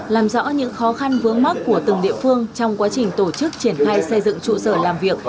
làm rõ những khó khăn vướng mắt của từng địa phương trong quá trình tổ chức triển khai xây dựng trụ sở làm việc